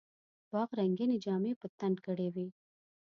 باغ رنګیني جامې په تن کړې وې.